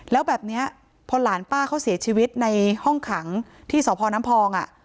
แล้วแบบนี้พอหลานป้าเขาเสียชีวิตในห้องขังที่สพน้ำพอง